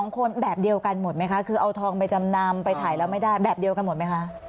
๒คนแบบเดียวกันหมดไหมคะคือเอาทองไปจำนำไปถ่ายแล้วไม่ได้แบบเดียวกันหมดไหมคะ